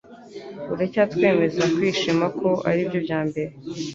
uracyatwemeza kwishima ko ari byo byambere